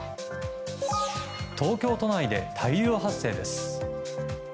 東京都内で大量発生です。